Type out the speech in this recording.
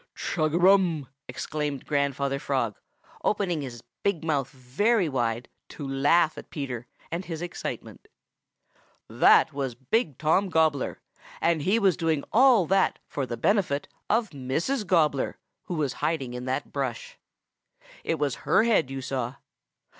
"Chug a rum!" exclaimed Grandfather Frog, opening his big mouth very wide to laugh at Peter and his excitement. "That was Big Tom Gobbler, and he was doing all that for the benefit of Mrs. Gobbler, who was hiding in that brush. It was her head you saw.